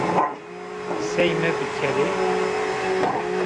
Sey mi bikerê